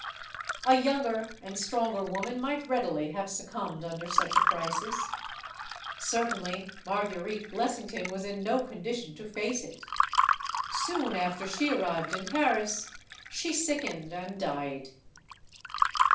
A younger and stronger woman might readily have succumbed under such a crisis. Certainly, Marguerite Blessington was in no condition to face it. Soon after she arrived in Paris, she sickened and died.